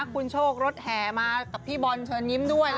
คุณโชครถแห่มากับพี่บอลเชิญยิ้มด้วย